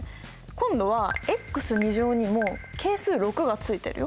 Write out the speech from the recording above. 今度はにも係数６がついてるよ。